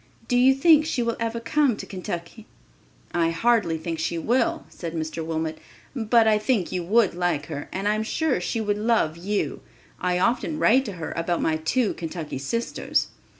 Do you think she will ever come to Kentucky?" "I hardly think she will," said Mr. Wilmot; "but I think you would like her, and I am sure she would love you. I often write to her about my two Kentucky sisters."